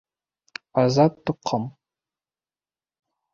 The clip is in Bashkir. — Азат Тоҡом!